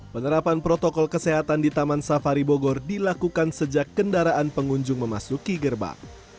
penerapan protokol kesehatan di taman safari bogor dilakukan sejak kendaraan pengunjung memasuki gerbang